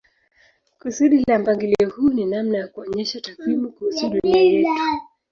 Kusudi la mpangilio huu ni namna ya kuonyesha takwimu kuhusu dunia yetu.